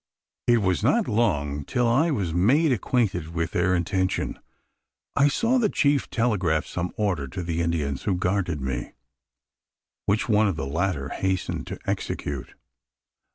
"It was not long till I was made acquainted with their intention. I saw the chief telegraph some order to the Indians who guarded me; which one of the latter hastened to execute.